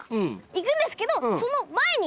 行くんですけどその前に！